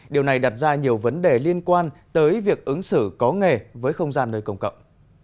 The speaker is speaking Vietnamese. điều này đặt ra nhiều vấn đề liên quan tới việc ứng xử có nghề với không gian nơi công cộng